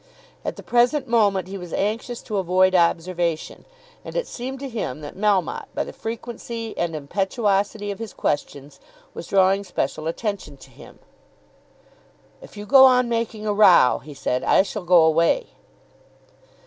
At the present moment he was anxious to avoid observation, and it seemed to him that Melmotte, by the frequency and impetuosity of his questions, was drawing special attention to him. "If you go on making a row," he said, "I shall go away."